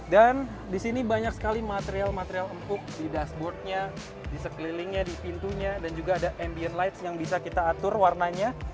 dan di sini banyak sekali material material empuk di dashboard nya di sekelilingnya di pintunya dan juga ada ambient lights yang bisa kita atur warnanya